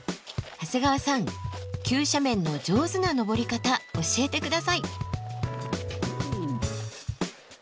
長谷川さん急斜面の上手な登り方教えて下さい。